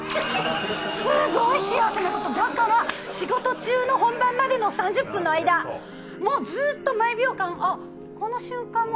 だから仕事中の本番までの３０分の間もうずっと毎秒間あっこの瞬間も。